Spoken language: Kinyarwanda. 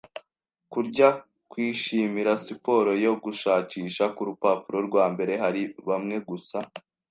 kurya, kwishimira siporo yo gushakisha. Ku rupapuro rwa mbere hari bamwe gusa